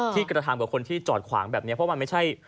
กระทำกับคนที่จอดขวางแบบนี้เพราะมันไม่ใช่